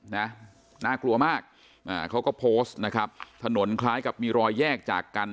น่ากลัวมากอ่าเขาก็โพสต์นะครับถนนคล้ายกับมีรอยแยกจากกัน